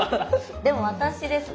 でも私ですね